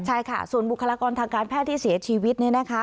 ใช่ค่ะส่วนบุคลากรทางการแพทย์ที่เสียชีวิตเนี่ยนะคะ